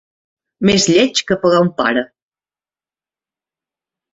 Més lleig que pegar a un pare.